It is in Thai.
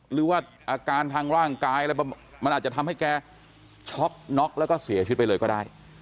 หรือว่าอาการทางร่างกายอะไรมันอาจจะทำให้แกช็อกน็อกแล้วก็เสียชีวิตไปเลยก็ได้